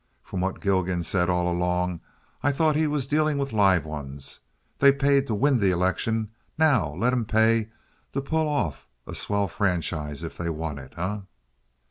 From what Gilgan said all along, I thought he was dealing with live ones. They paid to win the election. Now let 'em pay to pull off a swell franchise if they want it, eh?"